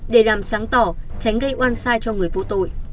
để làm sáng tỏ tránh gây oan sai cho người vô tội